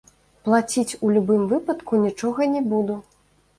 Плаціць у любым выпадку нічога не буду.